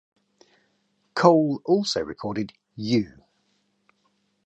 Cole also recorded "You".